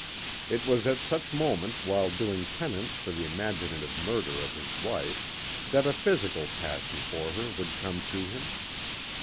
It was at such moments while doing penance for the imaginative murder of his wife, that a physical passion for her would come to him.